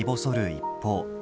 一方。